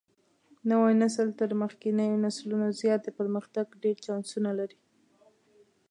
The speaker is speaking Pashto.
نوى نسل تر مخکېنيو نسلونو زيات د پرمختګ ډېر چانسونه لري.